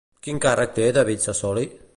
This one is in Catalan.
Quin càrrec té David Sassoli?